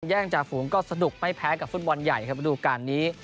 อย่างจ่าฝูงก็สนุกไม่แพ้กับฟุตบอลใหญ่ครับระดูการนี้